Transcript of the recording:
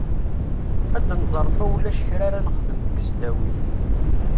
Ad nẓer ma ulac kra ara nexdem deg tesdawit.